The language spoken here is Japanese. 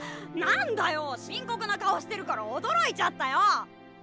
何だよ深刻な顔してるから驚いちゃったよ。